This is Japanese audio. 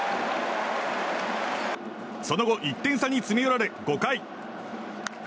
その後、１点差に詰め寄られ５回。